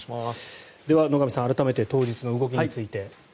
では、野上さん改めて当日の動きについて。